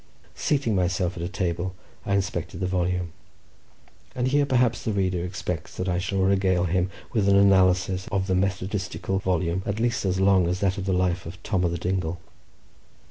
Seating myself at a table, I inspected the volume. And here, perhaps, the reader expects that I shall regale him with an analysis of the methodistical volume at least as long as that of the life of Tom O' the Dingle.